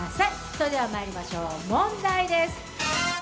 それではまいりましょう、問題です